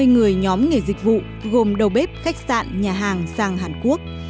một trăm năm mươi người nhóm nghề dịch vụ gồm đầu bếp khách sạn nhà hàng sang hàn quốc